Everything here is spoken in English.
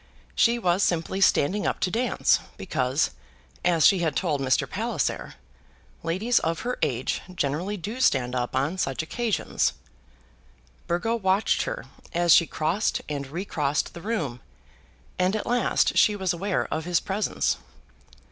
She was simply standing up to dance, because, as she had told Mr. Palliser, ladies of her age generally do stand up on such occasions. Burgo watched her as she crossed and re crossed the room, and at last she was aware of his presence.